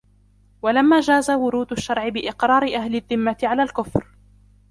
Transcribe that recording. وَلَمَا جَازَ وُرُودُ الشَّرْعِ بِإِقْرَارِ أَهْلِ الذِّمَّةِ عَلَى الْكُفْرِ